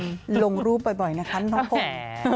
ช่วงแรกเผินช่วงกลางก็คือแบบ